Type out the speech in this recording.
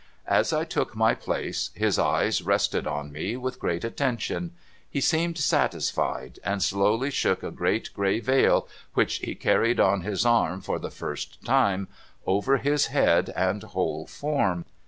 As I took my place, his eyes rested on me with great attention ; he seemed satisfied, and slowly shook a great gray veil, which he carried on his arm for the first time, over his head and whole form.